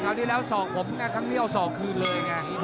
คราวนี้แล้วสอกผมแค่ครั้งนี้เอาสอกคืนเลย